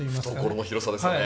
懐の広さですね！